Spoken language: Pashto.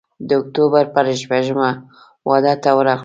د اکتوبر پر شپږمه واده ته ورغلم.